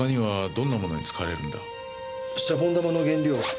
シャボン玉の原料